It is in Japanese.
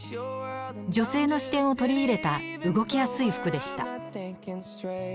女性の視点を取り入れた動きやすい服でした。